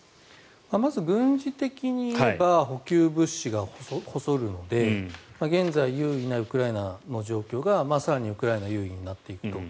まず軍事的にいえば補給物資が細るので現在優位なウクライナの状況が更にウクライナ優位になっていくと。